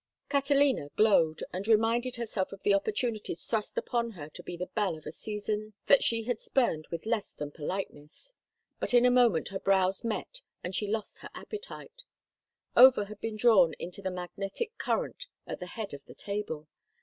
Catalina glowed, and reminded herself of the opportunities thrust upon her to be the belle of a season that she had spurned with less than politeness; but in a moment her brows met and she lost her appetite. Over had been drawn into the magnetic current at the head of the table.